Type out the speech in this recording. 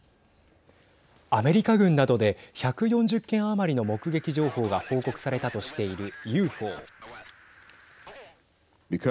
アメリカ軍などで１４０件余りの目撃情報が報告されたとしているＵＦＯ。